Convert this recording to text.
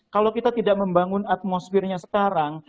kalau kita tidak membangun atmosfernya sekarang